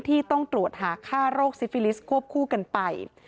ที่ต้องตรวจหาค่าโรคซิฟิลิสควบคู่กันไป